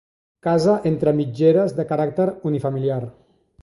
Casa entre mitgeres de caràcter unifamiliar.